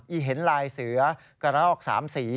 ีเห็นลายเสือกระลอก๓สี